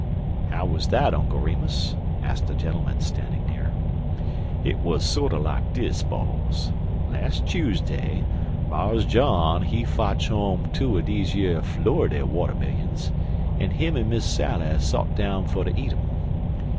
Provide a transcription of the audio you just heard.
"How was that, Uncle Remus?" asked a gentleman standing near. "Hit wuz sorter like dis, boss. Las' Chuseday, Mars John he fotch home two er deze yer Flurridy watermillions, an him an' Miss Sally sot down fer ter eat um.